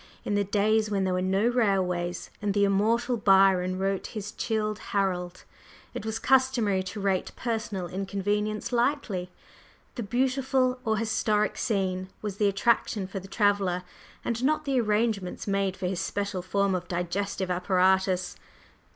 In the days when there were no railways, and the immortal Byron wrote his Childe Harold, it was customary to rate personal inconvenience lightly; the beautiful or historic scene was the attraction for the traveller, and not the arrangements made for his special form of digestive apparatus.